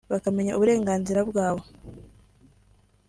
bakamenya uburenganzira bwabo